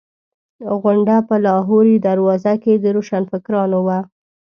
غونډه په لاهوري دروازه کې د روشنفکرانو وه.